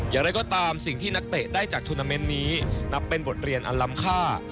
อย่างไรก็ตามสิ่งที่นักเตะได้จากทูนาเมนต์นี้นับเป็นบทเรียนอันลำค่า